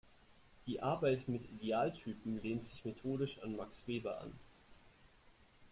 Die Arbeit mit Idealtypen lehnt sich methodisch an Max Weber an.